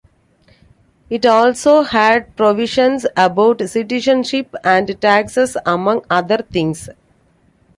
It also had provisions about citizenship and taxes among other things.